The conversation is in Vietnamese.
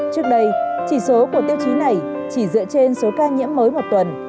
trước đây chỉ số của tiêu chí này chỉ dựa trên số ca nhiễm mới một tuần